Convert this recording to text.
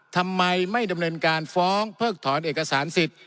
ทำไมไม่ดำเนินการฟ้องเพิกถอนเอกสารสิทธิ์